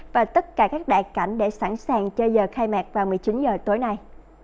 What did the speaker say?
và tất cả các đại cảnh để sẵn sàng cho giờ khai mạc vào một mươi chín h tối nay